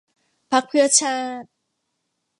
พรรคเพื่อชาติ